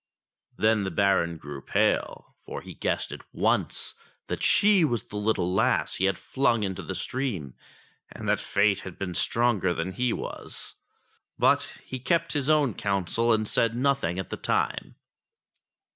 Then the Baron grew pale, for he guessed at once that she was the little lass he had flung into the stream, and that Fate had been stronger than he was. But he kept his own counsel and said nothing at the time.